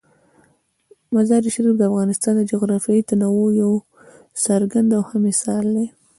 مزارشریف د افغانستان د جغرافیوي تنوع یو څرګند او ښه مثال دی.